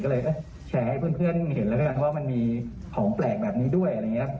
ก็เลยแชร์ให้เพื่อนเห็นแล้วกันว่ามันมีของแปลกแบบนี้ด้วยอะไรอย่างนี้